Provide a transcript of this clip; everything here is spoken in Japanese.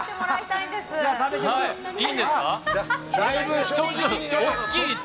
いいんですか。